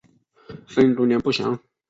生卒年不详。